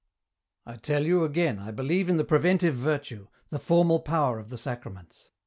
" I tell you again I believe in the preventive virtue, the formal power of the Sacraments.